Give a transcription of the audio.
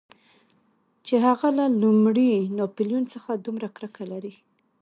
چې هغه له لومړي ناپلیون څخه دومره کرکه لري.